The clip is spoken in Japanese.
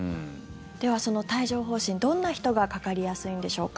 では、その帯状疱疹どんな人がかかりやすいんでしょうか。